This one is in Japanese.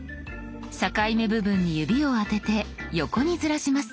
境目部分に指を当てて横にずらします。